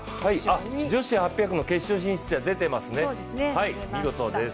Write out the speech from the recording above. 女子８００の決勝進出者、出てますね、見事です。